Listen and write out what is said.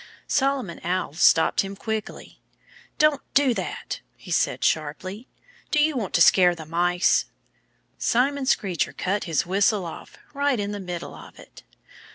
Solomon Owl stopped him quickly. "Don't do that!" he said sharply. "Do you want to scare the Mice?" Simon Screecher cut his whistle off right in the middle of it.